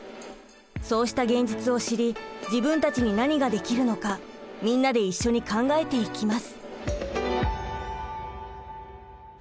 そうした現実を知り自分たちに何ができるのかみんなで一緒に考えていきます。